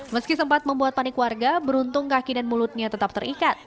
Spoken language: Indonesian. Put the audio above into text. meski sempat membuat panik warga beruntung kaki dan mulutnya tetap terikat